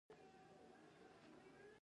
د سهار ناشته ولې مهمه ده؟